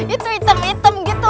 itu hitam hitam gitu